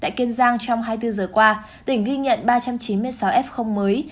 tại kiên giang trong hai mươi bốn giờ qua tỉnh ghi nhận ba trăm chín mươi sáu f mới